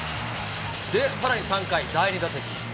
で、さらに３回第２打席。